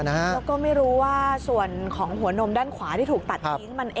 แล้วก็ไม่รู้ว่าส่วนของหัวนมด้านขวาที่ถูกตัดทิ้ง